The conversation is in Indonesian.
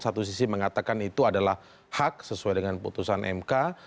satu sisi mengatakan itu adalah hak sesuai dengan putusan mk